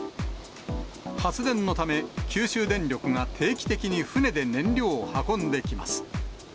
発電のため、九州電力が定期的に船で燃料を運んできます。